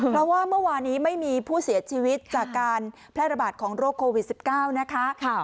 เพราะว่าเมื่อวานี้ไม่มีผู้เสียชีวิตจากการแพร่ระบาดของโรคโควิด๑๙นะคะ